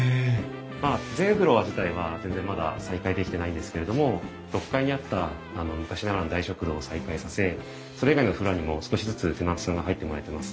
まあ全フロア自体は全然まだ再開できてないんですけれども６階にあった昔ながらの大食堂を再開させそれ以外のフロアにも少しずつテナントさんが入ってもらえてます。